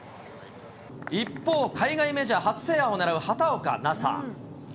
一方、海外メジャー初制覇を狙う畑岡奈紗。